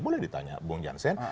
boleh ditanya bung jansen